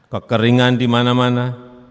kekeringan di mana mana